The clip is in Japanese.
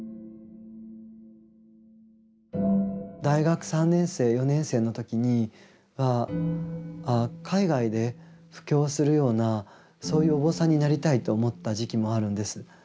大学３年生４年生の時に海外で布教するようなそういうお坊さんになりたいと思った時期もあるんです。